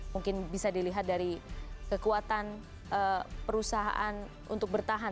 mungkin bisa dilihat dari kekuatan perusahaan untuk bertahan